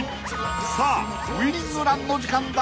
［さあウイニングランの時間だ！］